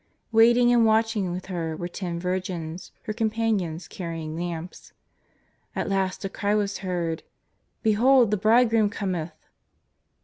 Waiting and watching with her were ten virgins, her companions carrying lamps. At last a cry was heard :" Behold the bridegroom cometh